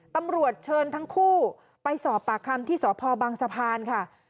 ตำรวจเชิญทั้งคู่ไปสอบปากคำที่สพบังสะพานค่ะ